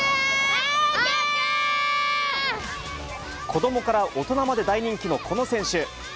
子どもから大人まで大人気のこの選手。